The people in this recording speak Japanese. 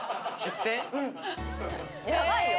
やばいよ！